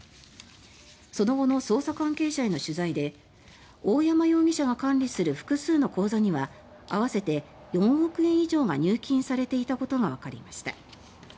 その後の捜査関係者への取材で大山容疑者が管理する複数の口座には合わせて４億円以上が入金されていたことがわかりました。